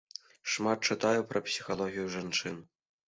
Шмат чытаю пра псіхалогію жанчын.